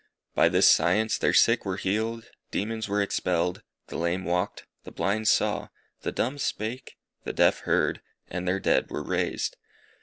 By this science their sick were healed, demons were expelled, the lame walked, the blind saw, the dumb spake, the deaf heard, and their dead were raised.